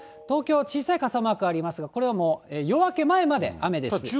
東京、小さい傘マークありますが、これはもう夜明け前まで雨です。